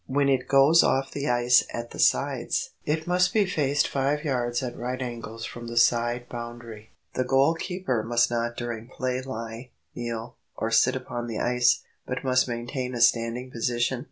When it goes off the ice at the sides, it must be faced five yards at right angles from the side boundary. The goal keeper must not during play lie, kneel, or sit upon the ice, but must maintain a standing position.